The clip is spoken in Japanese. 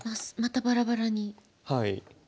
またバラバラに。